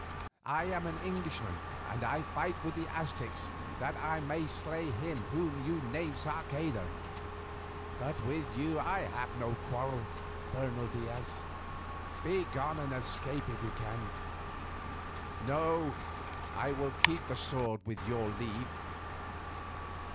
"I am an Englishman and I fight with the Aztecs that I may slay him whom you name Sarceda. But with you I have no quarrel, Bernal Diaz. Begone and escape if you can. No, I will keep the sword with your leave."